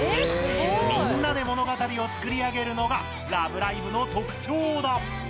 みんなで物語を作り上げるのが「ラブライブ！」の特徴だ！